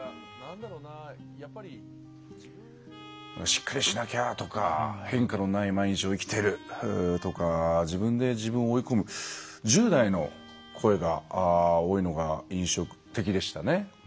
しっかりしなきゃとか変化のない毎日を生きてるとか自分で自分を追い込む１０代の声が多いのが印象的でしたね。